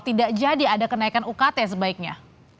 tidak jadi ada kenaikan ukt sebaiknya